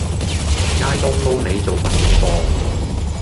挨冬撈你做乜嘢啵